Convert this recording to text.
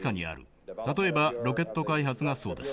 例えばロケット開発がそうです。